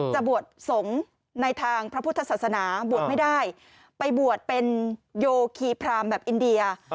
จะบวชสงฆ์ในทางพระพุทธศาสนาบวชไม่ได้ไปบวชเป็นโยคีพรามแบบอินเดีย